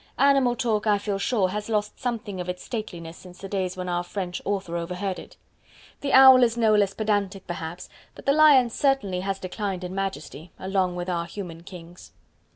Animal talk, I feel sure, has lost something of its stateliness since the days when our French author overheard it. The Owl is no less pedantic perhaps, but the Lion certainly has declined in majesty along with our human kings.